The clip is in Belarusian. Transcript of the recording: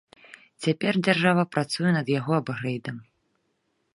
Цяпер дзяржава працуе над яго апгрэйдам.